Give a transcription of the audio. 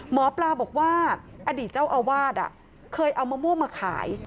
หมอปลาบอกว่าอดีตเจ้าอาวาสเคยเอามะม่วงมาขาย